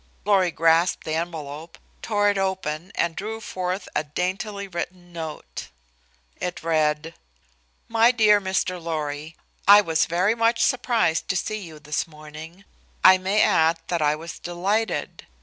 Lorry grasped the envelope, tore it open, and drew forth a daintily written note. It read: "My Dear Mr. Lorry: "I was very much surprised to see you this morning I may add that I was delighted.